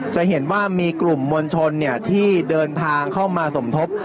จะเห็นว่ามีกลุ่มมวลชนที่เดินทางเข้ามาสมทบ